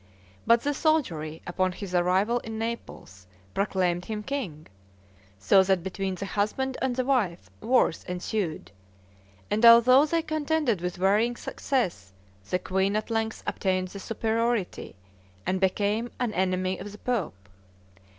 But the soldiery, upon his arrival in Naples, proclaimed him king; so that between the husband and the wife wars ensued; and although they contended with varying success, the queen at length obtained the superiority, and became an enemy of the pope.